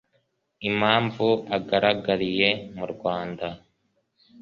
impamvu agaragariye mu rwanda